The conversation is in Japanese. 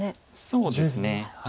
そうですね。